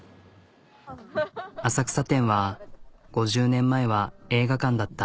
浅草店は５０年前は映画館だった。